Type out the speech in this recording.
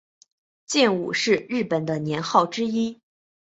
建武是日本的年号之一。